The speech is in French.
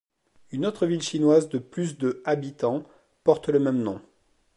Une autre ville chinoise de plus de habitants porte le même nom.